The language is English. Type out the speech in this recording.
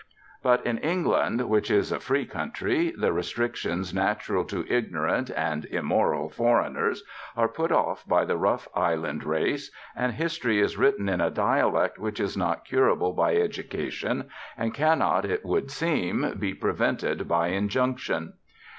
But in England, which is a free country, the restrictions natural to ignorant (and immoral) foreigners are put off by the rough island race, and history is written in a dialect which is not curable by education, and cannot (it would seem) be prevented by injunction.